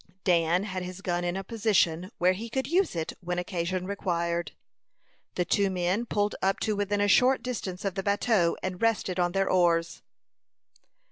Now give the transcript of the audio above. Dan had his gun in a position where he could use it when occasion required. The two men pulled up to within a short distance of the bateau, and rested on their oars.